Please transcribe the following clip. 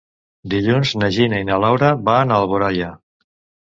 Dilluns na Gina i na Laura van a Alboraia.